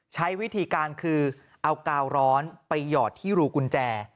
ใช้วิธีการคือเอากาวร้อนไปหยอดที่รูกุญแจ